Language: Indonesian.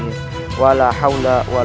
aku harus berusaha